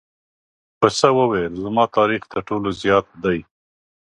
پسه وویل زما تاریخ تر ټولو زیات دی.